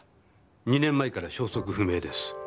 ２年前から消息不明です。